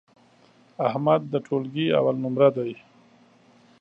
احمد د ټولگي اول نمره دی.